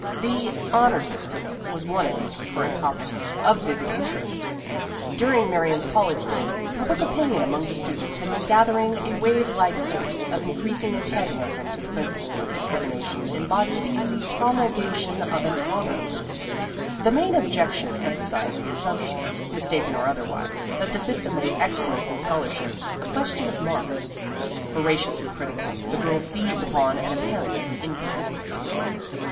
The " Honor System " was one of these recurrent topics of vivid n6 Vassar Studies interest. During Marion's college days, public opinion among the students had been gathering a wavelike force of increas ing antagonism to the principle of discrimi nation embodied in the promulgation of an " honor list." The main objection emphasized the assumption, mistaken or otherwise, that the system made excellence in scholarship a question of marks. Voraciously critical, the girls seized upon an apparent inconsistency.